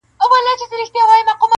لوټوي چي لوپټه د خورکۍ ورو ورو-